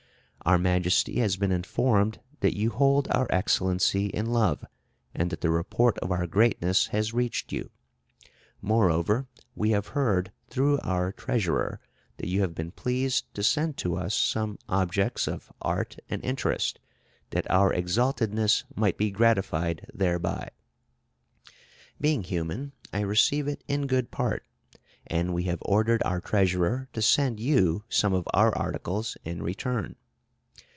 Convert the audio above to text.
"Our Majesty has been informed that you hold our Excellency in love, and that the report of our greatness has reached you. Moreover, we have heard through our treasurer that you have been pleased to send to us some objects of art and interest, that our Exaltedness might be gratified thereby. "Being human, I receive it in good part, and we have ordered our treasurer to send you some of our articles in return.